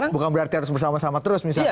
bukan berarti harus bersama sama terus misalnya